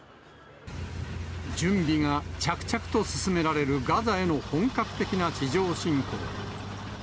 準備が着々と進められるガザへの本格的な地上侵攻。